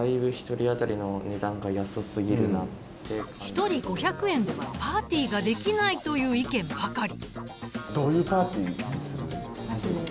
一人５００円ではパーティーができないという意見ばかり。